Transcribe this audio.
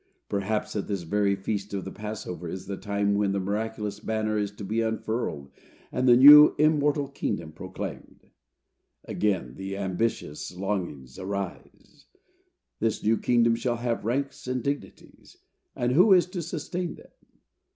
Perhaps at this very feast of the Passover is the time when the miraculous banner is to be unfurled, and the new, immortal kingdom proclaimed. Again the ambitious longings arise. This new kingdom shall have ranks and dignities. And who is to sustain them?